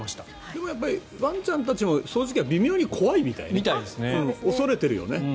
でもワンちゃんたちも掃除機は微妙に怖いみたい恐れているよね。